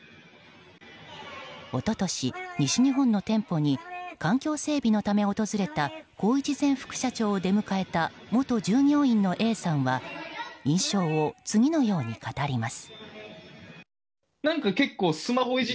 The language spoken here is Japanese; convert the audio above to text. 一昨年、西日本の店舗に環境整備のため訪れた宏一前副社長を出迎えた元従業員のＡさんは印象を次のように語ります。